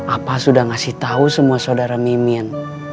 apa sudah ngasih tahu semua saudara mimin